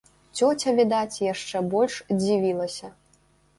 Цёця, відаць, яшчэ больш дзівілася.